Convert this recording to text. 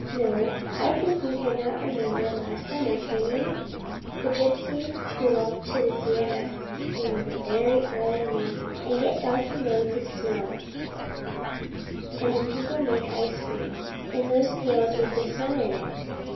" No, I think you cannot remember last summer, can you ? The gipsies go up to the Sierras in the very early morning, and get donkey loads of snow, and the people make ice cream in those pails with the snow in it.